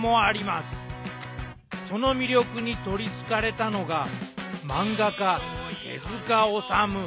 その魅力に取りつかれたのが漫画家手治虫。